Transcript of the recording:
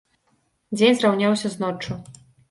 Дзень зраўняўся з ноччу.